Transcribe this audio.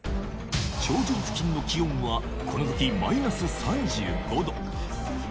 頂上付近の気温は、このときマイナス３５度。